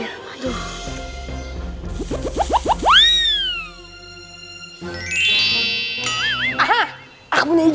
aha aku punya itu